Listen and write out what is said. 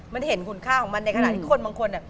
มันเห็นคุณค่าของมันในขณะที่คนบางคน